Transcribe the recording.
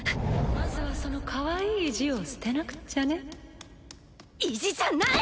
まずはそのかわいい意地を捨てなく意地じゃない！